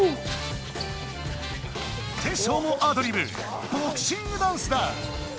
テッショウもアドリブボクシングダンスだ！